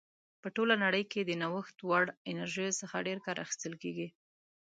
په ټوله نړۍ کې د نوښت وړ انرژیو څخه ډېر کار اخیستل کیږي.